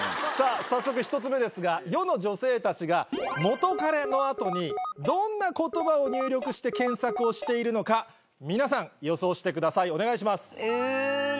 早速１つ目ですが世の女性たちが「元カレ」の後にどんな言葉を入力して検索をしているのか皆さん予想してくださいお願いします。